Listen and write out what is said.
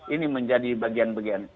ini menjadi bagian bagian